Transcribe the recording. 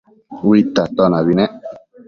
Uidta atonabi nec